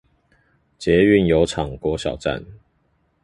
捷運油廠國小站